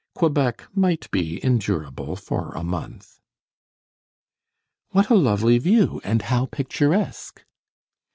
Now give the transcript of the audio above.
Quebec might be endurable for a month. "What a lovely view, and how picturesque!"